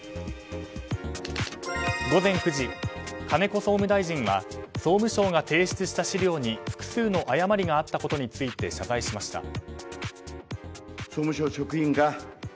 金子総務大臣は総務省が提出した資料に複数の誤りがあったことについて謝罪しました。